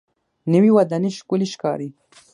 نوې ودانۍ ښکلې ښکاري